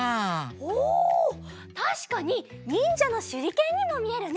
おたしかににんじゃのしゅりけんにもみえるね！